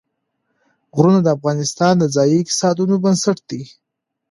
غرونه د افغانستان د ځایي اقتصادونو بنسټ دی.